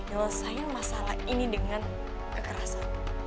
nyelesain masalah ini dengan kekerasan